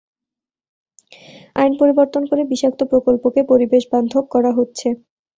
আইন পরিবর্তন করে বিষাক্ত প্রকল্পকে পরিবেশবান্ধব করা হচ্ছে।